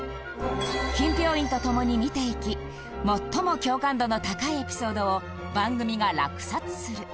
品評員と共に見ていき最も共感度の高いエピソードを番組が落札する